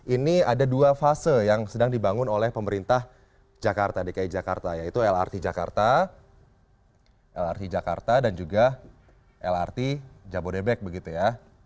ini ada dua fase yang sedang dibangun oleh pemerintah jakarta dki jakarta yaitu lrt jakarta lrt jakarta dan juga lrt jabodebek begitu ya